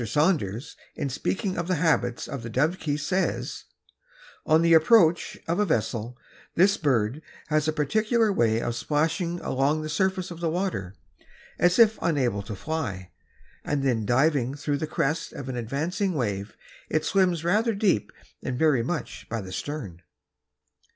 Saunders in speaking of the habits of the Dovekie says: "On the approach of a vessel this bird has a peculiar way of splashing along the surface of the water, as if unable to fly, and then diving through the crest of an advancing wave; it swims rather deep and very much by the stern."